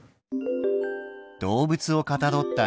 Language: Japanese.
動物をかたどった人形。